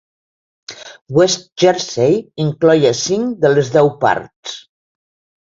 West Jersey incloïa cinc de les deu parts.